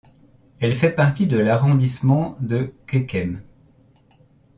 Elle fait partie de l'arrondissement de Kekem.